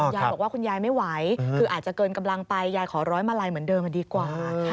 ยายบอกว่าคุณยายไม่ไหวคืออาจจะเกินกำลังไปยายขอร้อยมาลัยเหมือนเดิมดีกว่า